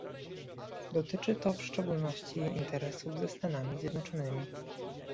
Dotyczy to w szczególności jej interesów ze Stanami Zjednoczonymi